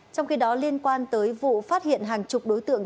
trong khi đó liên quan tới vụ phát hiện hàng chục đối tượng